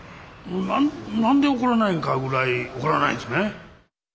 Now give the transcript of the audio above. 何で怒らないのかぐらい怒らないですね。